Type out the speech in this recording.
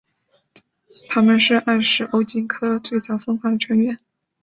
它们是艾什欧鲸科最早分化的成员。